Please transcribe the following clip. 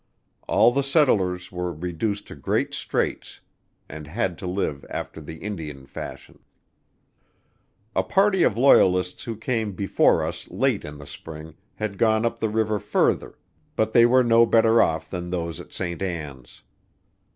All the settlers were reduced to great straits and had to live after the Indian fashion. A party of Loyalists who came before us late in the spring, had gone up the river further, but they were no better off than those at St. Ann's.